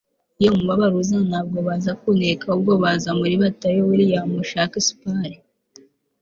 iyo umubabaro uza, ntabwo baza kuneka, ahubwo baza muri batayo - william shakespeare